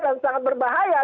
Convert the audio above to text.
dan sangat berbahaya